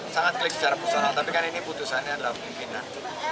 sangat klik secara personal tapi kan ini putusannya adalah pimpinan